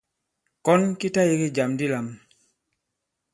Kɔn ki ta yege jàm di lām.